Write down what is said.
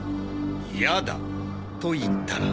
嫌だと言ったら？